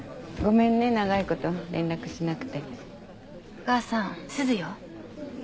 お母さんすずよ。